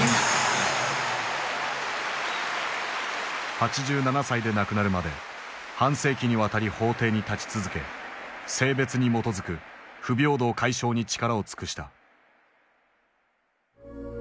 ８７歳で亡くなるまで半世紀にわたり法廷に立ち続け性別に基づく不平等解消に力を尽くした。